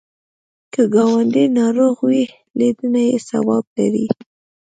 که ګاونډی ناروغ وي، لیدنه یې ثواب لري